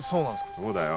そうだよ。